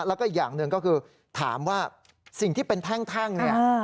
แล้วก็อีกอย่างหนึ่งก็คือถามว่าสิ่งที่เป็นแท่งเนี่ย